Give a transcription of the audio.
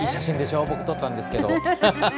僕が撮ったんですけど。